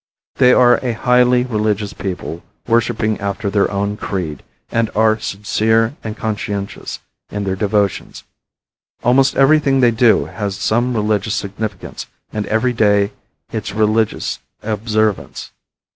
They are a highly religious people worshiping after their own creed, and are sincere and conscientious in their devotions. Almost everything they do has some religious significance and every day its religious observance.